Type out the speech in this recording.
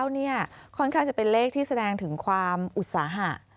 ค่อนข้างจะเป็นเลขที่แสดงถึงความอุตสาหะ